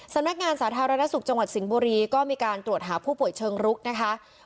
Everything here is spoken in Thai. สาธารณสุขจังหวัดสิงห์บุรีก็มีการตรวจหาผู้ป่วยเชิงรุกนะคะ